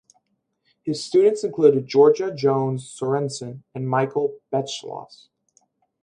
His students included Georgia Jones Sorenson and Michael Beschloss.